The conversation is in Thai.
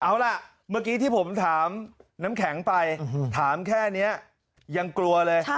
เอาล่ะเมื่อกี้ที่ผมถามน้ำแข็งไปถามแค่นี้ยังกลัวเลย